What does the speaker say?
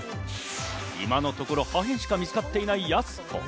今のところ破片しか見つかっていないやす子。